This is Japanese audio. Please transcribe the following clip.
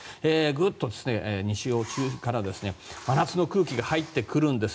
グッと西から真夏の空気が入ってくるんです。